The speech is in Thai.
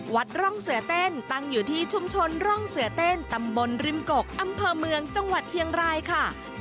วัดร่องเสือเต้นตั้งอยู่ที่ชุมชนร่องเสือเต้นตำบลริมกกอำเภอเมืองจังหวัดเชียงรายค่ะ